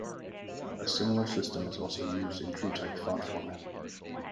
A similar system is also used in TrueType font format.